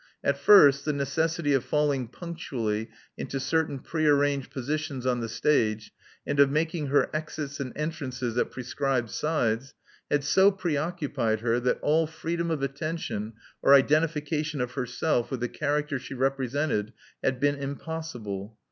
At first, the necessity of falling punctually into certain prearranged positions on the stage, and of making her exits and entrances at pre scribed sides, had so preoccupied her that all freedom of attention or identification of herself with the char acter she represented had been impossible.